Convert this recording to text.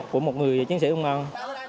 của một người chiến sĩ công an